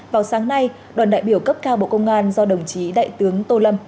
vào sáng nay đoàn đại biểu cấp cao bộ công an do đồng chí đại tướng tô lâm